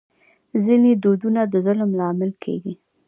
ځینې دودونه د ظلم لامل کېږي.